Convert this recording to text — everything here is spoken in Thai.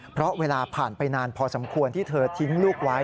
เพราะเวลาผ่านไปนานพอสมควรที่เธอทิ้งลูกไว้